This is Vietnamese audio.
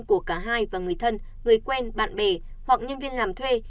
của cả hai và người thân người quen bạn bè hoặc nhân viên làm thuê